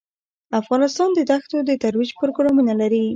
افغانستان د دښتو د ترویج پروګرامونه لري.